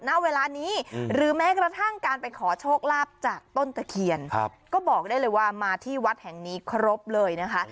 ณเวลานี้หรือแม้กระทั่งการไปขอโชคลาภจากต้นตะเคียนก็บอกได้เลยว่ามาที่วัดแห่งนี้ครบเลยนะคะ